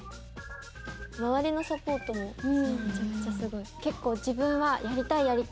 周りのサポートもめちゃくちゃすごい。